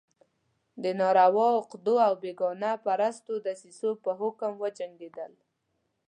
د ناروا عقدو او بېګانه پرستو دسیسو په حکم وجنګېدل.